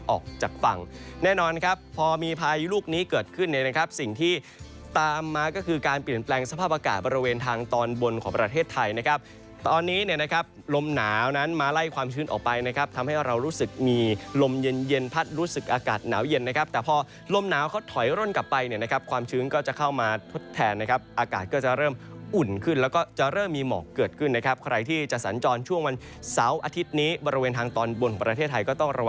ออกจากฝั่งแน่นอนครับพอมีพายุลูกนี้เกิดขึ้นเนี้ยนะครับสิ่งที่ตามมาก็คือการเปลี่ยนแปลงสภาพอากาศบริเวณทางตอนบนของประเทศไทยนะครับตอนนี้เนี้ยนะครับลมหนาวนั้นมาไล่ความชื้นออกไปนะครับทำให้เรารู้สึกมีลมเย็นเย็นพัดรู้สึกอากาศหนาวเย็นนะครับแต่พอลมหนาวเขาถอยร่นกลับไปเนี้ยนะครับค